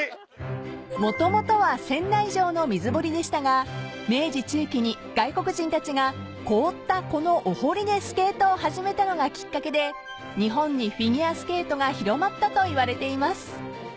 ［もともとは仙台城の水堀でしたが明治中期に外国人たちが凍ったこのお堀でスケートを始めたのがきっかけで日本にフィギュアスケートが広まったといわれています］